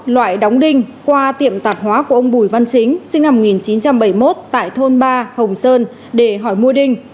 loại đóng đinh qua tiệm tạp hóa của ông bùi văn chính sinh năm một nghìn chín trăm bảy mươi một tại thôn ba hồng sơn để hỏi mua đinh